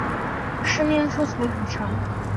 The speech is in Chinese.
十年说起来很长